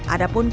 ada pun korban